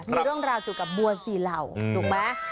มีเรื่องราวสูงกับบัวสีเหล่าถูกไหม